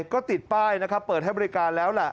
ก็ติดป้ายเปิดให้บริการแล้วละ